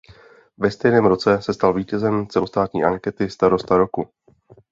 Ve stejném roce se stal vítězem celostátní ankety "Starosta roku".